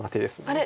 あれ？